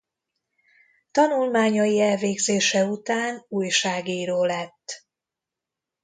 Tanulmányai elvégzése után újságíró lett.